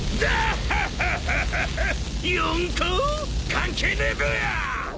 関係ねえべや！